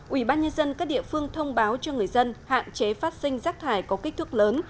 ủy ban nhân dân các địa phương thông báo cho người dân hạn chế phát sinh rác thải có kích thước lớn